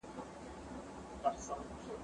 زه اوس کتابونه ليکم!؟!؟